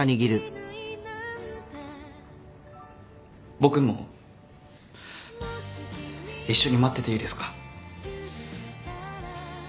僕も一緒に待ってていいですか？